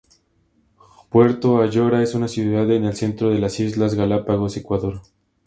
Puerto Ayora es una ciudad en el centro de las islas Galápagos, Ecuador.